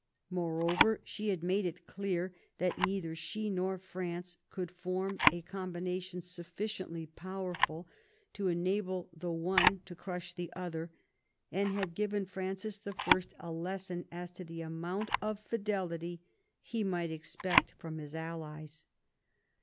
Moreover, she had made it clear that neither she nor France could form a com bination sufficiently powerful to enable the one to crush the other, and had given Francis I. a lesson as to the amount of fidelity he might expect from his allies.